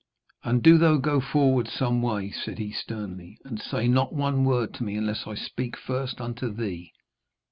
'And do thou go forward some way,' said he sternly, 'and say not one word to me unless I speak first unto thee.'